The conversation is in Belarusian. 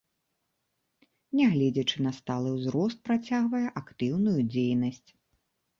Нягледзячы на сталы ўзрост, працягвае актыўную дзейнасць.